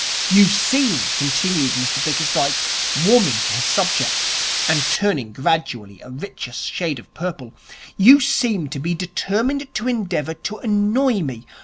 'You seem,' continued Mr Bickersdyke, warming to his subject, and turning gradually a richer shade of purple, 'you seem to be determined to endeavour to annoy me.'